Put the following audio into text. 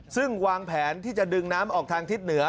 ซึ่งวางแผนที่จะดึงน้ำออกทางทิศเหนือ